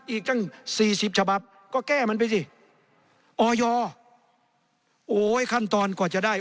อีกตั้งสี่สิบฉบับก็แก้มันไปสิออยโอ้ยขั้นตอนกว่าจะได้